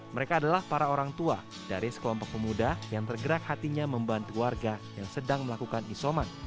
mereka adalah para orang tua dari sekelompok pemuda yang tergerak hatinya membantu warga yang sedang melakukan isoman